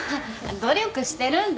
努力してるんだ？